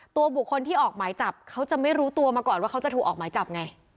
ตัวบุคคลที่ออกหมายจับเขาจะไม่รู้ตัวมาก่อนว่าเขาจะถูกออกหมายจับไง